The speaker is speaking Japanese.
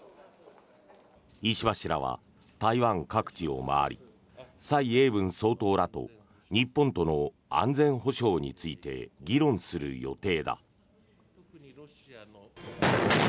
石破氏らは台湾各地を回り蔡英文総統らと日本との安全保障について議論する予定だ。